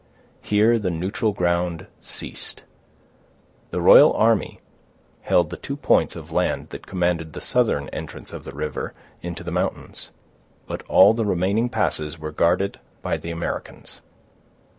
Here the neutral ground ceased. The royal army held the two points of land that commanded the southern entrance of the river into the mountains; but all the remaining passes were guarded by the Americans.